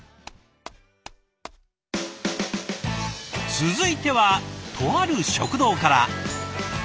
続いてはとある食堂から。